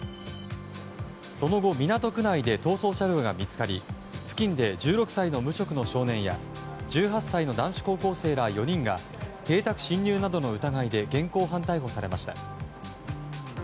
その後、港区内で逃走車両が見つかり付近で１６歳の無職の少年や１８歳の男子高校生ら４人が邸宅侵入などの疑いで現行犯逮捕されました。